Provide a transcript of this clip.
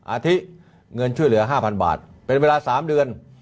อาทิเงินช่วยเหลือ๕๐๐บาทเป็นเวลา๓เดือน